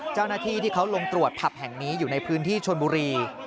เจ้าหน้าที่ที่เขาลงตรวจผับแห่งนี้อยู่ในพื้นที่ชนบุรี